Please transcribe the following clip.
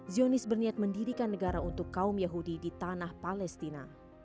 zionis berniat mendirikan negara untuk kaum yahudi di tanah palestina